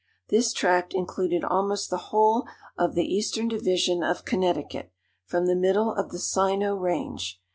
This tract included almost the whole of the eastern division of Connecticut, from the middle of the Syno range.